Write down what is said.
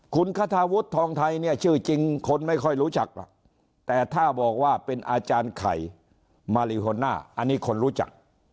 คุณคาทาวุฒิทองไทยเนี่ยชื่อจริงคนไม่ค่อยรู้จักหรอกแต่ถ้าบอกว่าเป็นอาจารย์ไข่มาริโฮน่าอันนี้คนรู้จัก